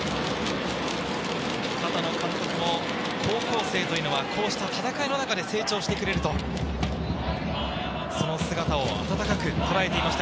片野監督も高校生というのは、こうした戦いの中で成長してくれると、その姿をあたたかくとらえていました。